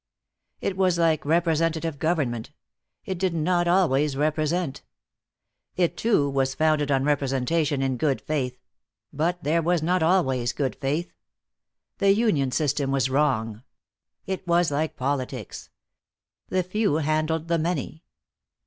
It was like representative government. It did not always represent. It, too, was founded on representation in good faith; but there was not always good faith. The union system was wrong. It was like politics. The few handled the many.